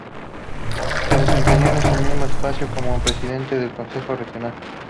Se desempeñó en ese mismo espacio como presidente del Consejo Regional.